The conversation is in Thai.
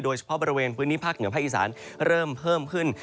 โดยเฉพาะบริเวณพื้นที่ภาคเหนือภาคอีสานเริ่มเพิ่มขึ้น